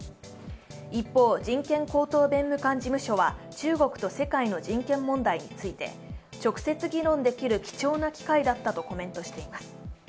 一方、人権高等弁務官事務所は中国と世界の人権問題について直接議論できる貴重な機会だったとコメントしています。